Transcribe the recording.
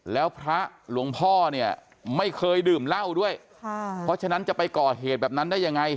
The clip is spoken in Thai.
แล้วพระหลวงพ่อเนี่ยไม่เคยดื่มเหล้าด้วยค่ะเพราะฉะนั้นจะไปก่อเหตุแบบนั้นได้ยังไง